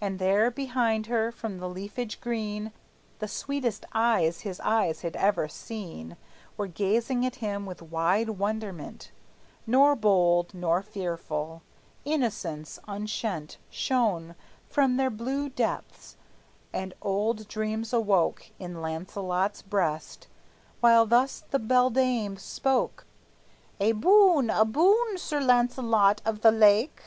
And there behind her, from the leafage green, The sweetest eyes his eyes had ever seen Were gazing at him with wide wonderment, Nor bold nor fearful; innocence unshent Shone from their blue depths, and old dreams awoke In Launcelot's breast, while thus the beldame spoke: "A boon, a boon, Sir Launcelot of the Lake!